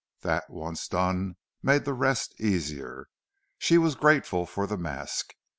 That, once done, made the rest easier. She was grateful for the mask.